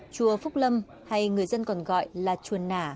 chùa phúc lâm hay người dân còn gọi là chùa nà